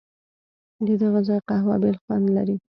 ددغه ځای قهوه بېل خوند لري.